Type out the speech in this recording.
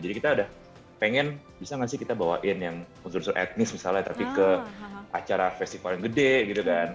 jadi kita udah pengen bisa enggak sih kita bawain yang unsur unsur etnis misalnya tapi ke acara festival yang gede gitu kan